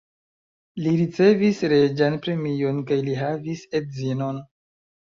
Li ricevis reĝan premion kaj li havis edzinon.